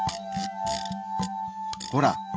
ほら！